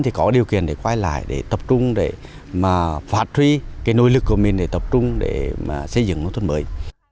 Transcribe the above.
thì có điều kiện để quay lại để tập trung để phát triển nỗ lực của mình để tập trung để xây dựng nông thôn mới